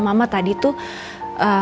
mama tadi tuh